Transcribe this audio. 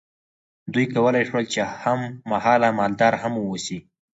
دوی کولی شول چې هم مهاله مالدار هم واوسي.